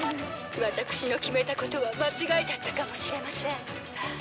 「ワタクシの決めたことは間違いだったかもしれません」